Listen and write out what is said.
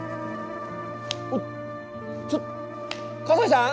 おっちょっ西さん！